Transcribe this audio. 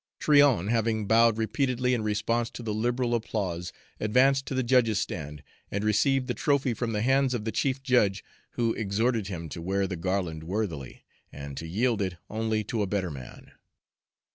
Tryon, having bowed repeatedly in response to the liberal applause, advanced to the judges' stand and received the trophy from the hands of the chief judge, who exhorted him to wear the garland worthily, and to yield it only to a better man.